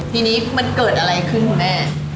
ทีนี้มันเกิดอะไรขึ้นคุณแม่